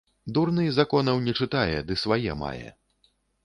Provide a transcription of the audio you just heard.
Дурны законаў не чытае, ды свае мае